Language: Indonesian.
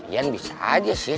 yan bisa aja sih